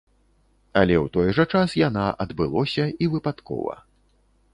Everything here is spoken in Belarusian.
Але ў той жа час яна адбылося і выпадкова.